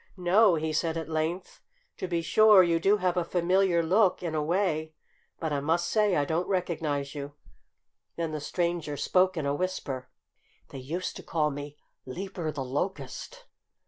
"No!" he said at length. "To be sure, you do have a familiar look, in a way. But I must say I don't recognize you." Then the stranger spoke in a whisper: "They used to call me 'Leaper the Locust'!"